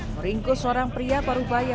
meringkus seorang pria parubaya